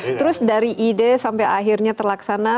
jadi kita bisa mengambil ide sampai akhirnya terlaksana